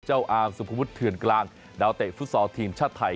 เจ้าอาร์มสุภพุทธเทือนกลางดาวเตะฟุตสอทีมชาติไทย